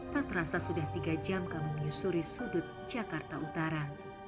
tak terasa sudah tiga jam kami menyusuri sudut jakarta utara